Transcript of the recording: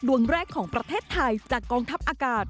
ดวงแรกของประเทศไทยจากกองทัพอากาศ